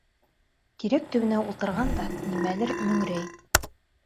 Тирәк төбөнә ултырған да нимәлер мөңрәй.